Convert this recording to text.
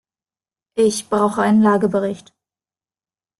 Ich brauche einen Lagebericht.